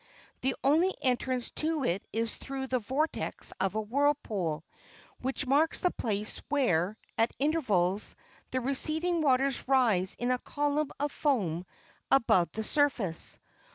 The only entrance to it is through the vortex of a whirlpool, which marks the place where, at intervals, the receding waters rise in a column of foam above the surface.